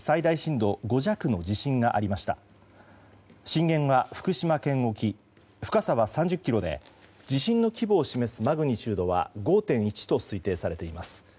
震源は福島県沖深さは３０ｋｍで地震の規模を示すマグニチュードは５．１と推定されています。